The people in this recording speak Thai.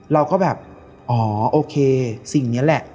เราก็แบบอ๋อโอเคสิ่งนี้แหละ